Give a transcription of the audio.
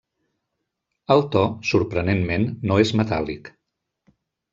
El to, sorprenentment, no és metàl·lic.